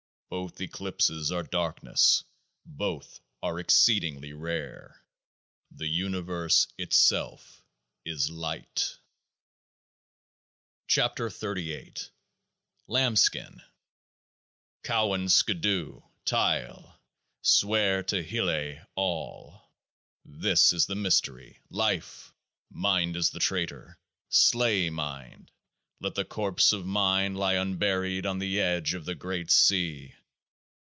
Both eclipses are darkness ; both are exceed ing rare ; the Universe itself is Light. 48 KEOAAH AH LAMBSKIN Cowan, skidoo ! Tyle ! Swear to hele all. This is the mystery. Life ! Mind is the traitor. Slay mind. Let the corpse of mind lie unburied on the edge of the Great Sea